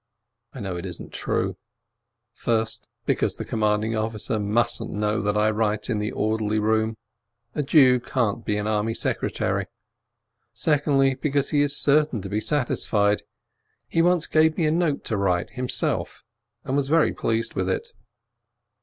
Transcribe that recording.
I know it isn't true, first, because the commanding officer mustn't know that I write in the orderly room, a Jew can't be an army secretary; secondly, because he is certain to be satisfied: he once gave me a note to write himself, and was very pleased with it.